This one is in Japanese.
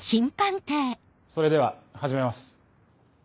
それでは始めます。